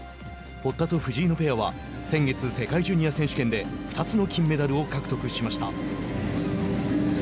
堀田と藤井のペアは先月世界ジュニア選手権で２つの金メダルを獲得しました。